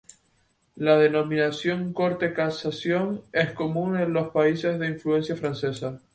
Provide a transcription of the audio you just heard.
La denominación "corte de casación" es común en los países de influencia francesa.